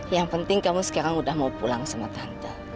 yang penting kamu sekarang udah mau pulang sama tante